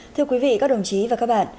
thưa quý vị các đồng chí và các bạn